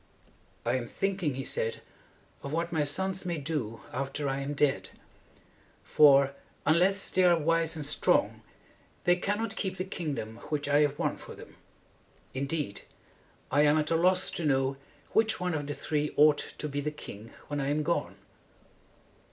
"I am thinking," he said, "of what my sons may do after I am dead. For, unless they are wise and strong, they cannot keep the kingdom which I have won for them. Indeed, I am at a loss to know which one of the three ought to be the king when I am gone."